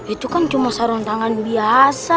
itu kan cuma sarung tangan biasa